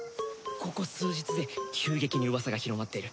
ここ数日で急激に噂が広まっている。